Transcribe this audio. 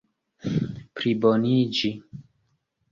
pliboniĝi